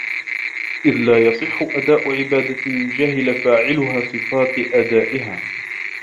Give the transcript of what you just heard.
إذْ لَا يَصِحُّ أَدَاءُ عِبَادَةٍ جَهِلَ فَاعِلُهَا صِفَاتِ أَدَائِهَا